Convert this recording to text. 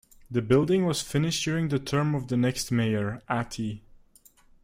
The building was finished during the term of the next mayor, Atty.